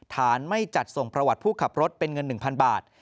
ฐานไม่จัดส่งประวัติผู้ขับรถเป็นเงิน๑๐๐บาท